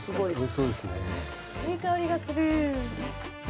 いい香りがする。